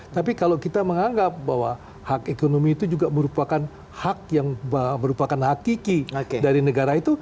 tapi kalau kita menganggap bahwa hak ekonomi itu juga merupakan hak yang merupakan hakiki dari negara itu